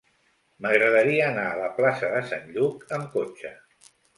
M'agradaria anar a la plaça de Sant Lluc amb cotxe.